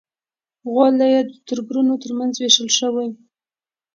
غولی یې د تربرونو تر منځ وېشل شوی.